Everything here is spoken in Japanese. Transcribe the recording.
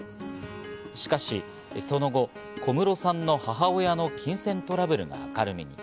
しかしその後、小室さんの母親の金銭トラブルが明るみに。